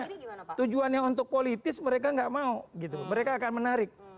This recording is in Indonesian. karena tujuannya untuk politis mereka nggak mau gitu mereka akan menarik